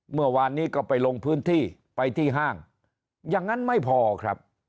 เมื่อวานนี้ก็ไปลงพื้นที่ไปที่ห้างอย่างนั้นไม่พอครับ